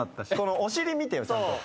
お尻見てよちゃんと。